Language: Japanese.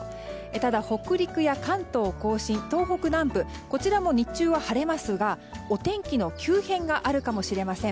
ただ北陸や関東甲信、東北南部こちらも日中は晴れますがお天気の急変があるかもしれません。